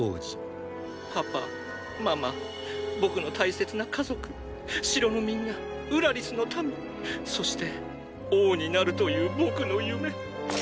パパママ僕の大切な家族城のみんなウラリスの民そして王になるという僕の夢！